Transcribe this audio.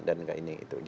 dan seperti itu